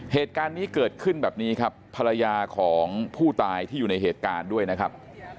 เหตุการณ์นี้เกิดขึ้นแบบนี้ครับภรรยาของผู้ตายที่อยู่ในเหตุการณ์ด้วยนะครับ